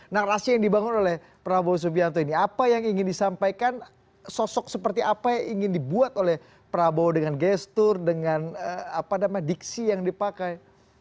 narasi yang dibangun oleh prabowo subianto ini apa yang ingin disampaikan sosok seperti apa yang ingin dibuat oleh prabowo dengan gestur dengan diksi yang dipakai